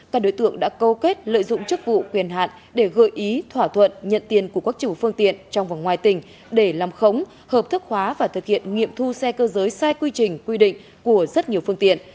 các đối tượng đã câu kết lợi dụng chức vụ quyền hạn để gợi ý thỏa thuận nhận tiền của quốc chủ phương tiện trong và ngoài tỉnh để làm khống hợp thức hóa và thực hiện nghiệm thu xe cơ giới sai quy trình quy định của rất nhiều phương tiện